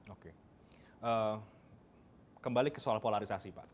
oke kembali ke soal polarisasi pak